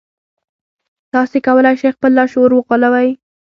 تاسې کولای شئ خپل لاشعور وغولوئ